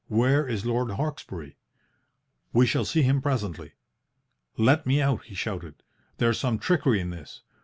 Where is Lord Hawkesbury?' "'We shall see him presently.' "'Let me out!' he shouted. 'There's some trickery in this.